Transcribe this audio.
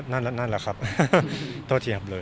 นั่นแหละครับโทษทีครับเลย